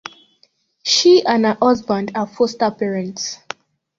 She and her husband are foster parents.